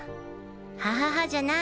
ハハハじゃない！